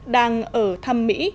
đang ở thăm mỹ